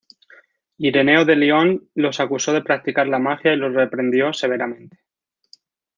Ireneo de Lyon los acusó de practicar la magia y los reprendió severamente.